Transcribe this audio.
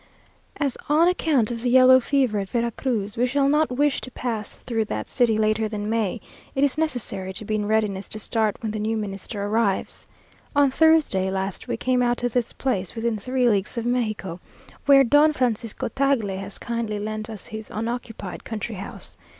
As, on account of the yellow fever at Vera Cruz, we shall not wish to pass through that city later than May, it is necessary to be in readiness to start when the new Minister arrives. On Thursday last we came out to this place, within three leagues of Mexico, where Don Francisco Tagle has kindly lent us his unoccupied country house.